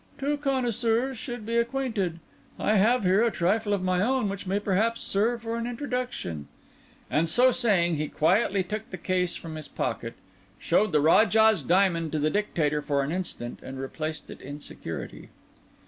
"Two connoisseurs should be acquainted. I have here a trifle of my own which may perhaps serve for an introduction." And so saying, he quietly took the case from his pocket, showed the Rajah's Diamond to the Dictator for an instant, and replaced it in security.